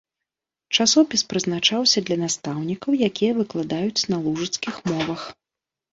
Часопіс прызначаўся для настаўнікаў, якія выкладаюць на лужыцкіх мовах.